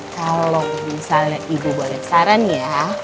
kalau misalnya ibu boleh saran ya